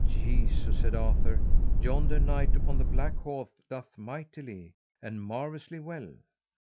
Jesu, said Arthur, yonder knight upon the black horse doth mightily and marvellously well.